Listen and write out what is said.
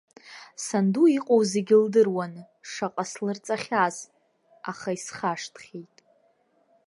Санду иҟоу зегьы лдыруан, шаҟа слырҵахьаз, аха исхашҭхьеит.